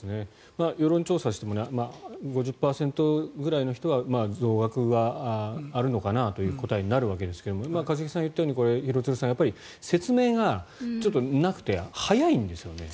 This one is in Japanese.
世論調査をしても５０％ぐらいの人は増額があるのかなという答えになるわけですが一茂さんが言ったように廣津留さん説明がなくて、早いんですよね。